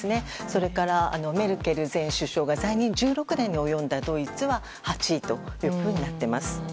それから、メルケル前首相が在任１６年に及んだドイツは８位というふうになっています。